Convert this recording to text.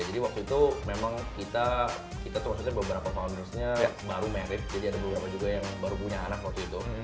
jadi waktu itu memang kita beberapa tahun terusnya baru married jadi ada beberapa juga yang baru punya anak waktu itu